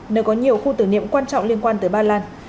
nơi có nhiều khu tử niệm quan trọng liên quan tới ba lan